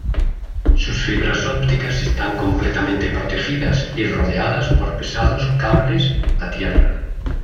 Sus fibras ópticas están completamente protegidas y rodeadas por pesados cables a tierra.